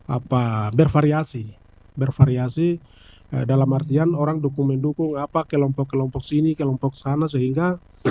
apa bervariasi bervariasi dalam artian orang dukung mendukung apa kelompok kelompok sini kelompok sana sehingga